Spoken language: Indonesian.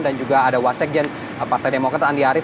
dan juga ada wasekjen partai demokrat andi arief